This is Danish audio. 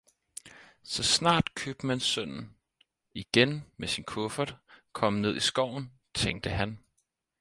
Så snart købmandssønnen igen med sin kuffert kom ned i skoven, tænkte han